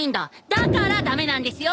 だから駄目なんですよ！